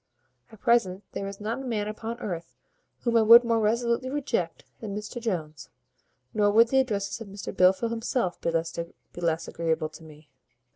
At present there is not a man upon earth whom I would more resolutely reject than Mr Jones; nor would the addresses of Mr Blifil himself be less agreeable to me."